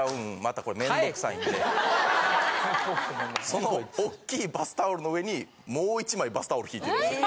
その大きいバスタオルの上にもう１枚バスタオルひいてるんですよ。